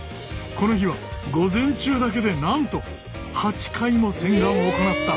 この日は午前中だけでなんと８回も洗顔を行った。